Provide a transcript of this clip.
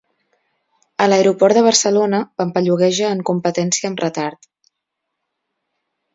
A l'aeroport de Barcelona pampallugueja en competència amb retard.